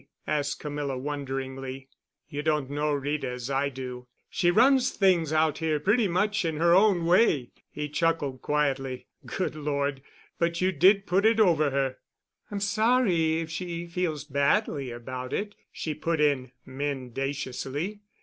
asked Camilla, wonderingly. "You don't know Rita as I do. She runs things out here pretty much in her own way." He chuckled quietly. "Good Lord, but you did put it over her." "I'm sorry if she feels badly about it," she put in mendaciously.